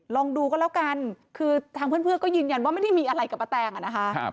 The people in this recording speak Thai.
ลองดูก็แล้วกันคือทางเพื่อนก็ยืนยันว่าไม่ได้มีอะไรกับป้าแตงอะนะคะ